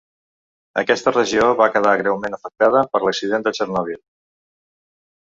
Aquesta regió va quedar greument afectada per l'Accident de Txernòbil.